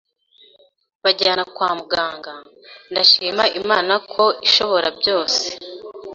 banjyana kwa muganga, ndashima Imana ko ishobora byose